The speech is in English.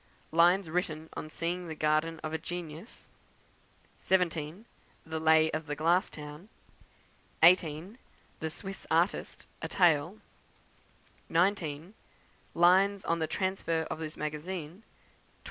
Lines written on seeing the Garden of a Genius; 17. The Lay of the Glass Town; 18. The Swiss Artist, a Tale; 19. Lines on the Transfer of this Magazine; 20.